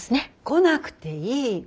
来なくていい。